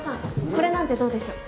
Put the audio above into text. これなんてどうでしょう？